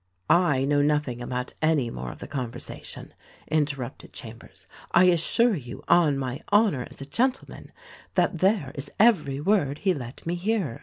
"I know nothing about any more of the conversation," interrupted Chambers. "I assure you on my honor as a gentleman that that is every word he let me hear.